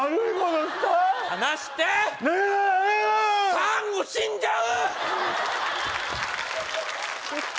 サンゴ死んじゃう！